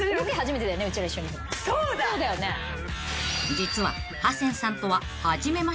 ［実は］